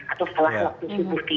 atau setelah waktu subuh